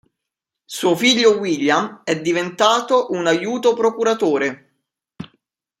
Suo figlio William è diventato un aiuto procuratore.